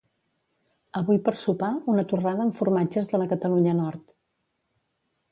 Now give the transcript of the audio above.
Avui per sopar una torrada amb formatges de la Catalunya nord